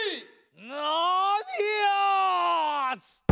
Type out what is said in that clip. なにやつ！